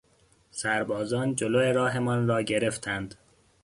سربازان جلو راهمان را گرفتند.